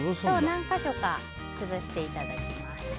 何か所か潰していただきます。